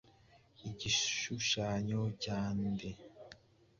Igishushanyo cya nde?